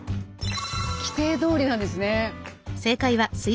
規定どおりなんですね。